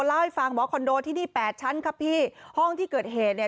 เล่าให้ฟังบอกว่าคอนโดที่นี่แปดชั้นครับพี่ห้องที่เกิดเหตุเนี่ย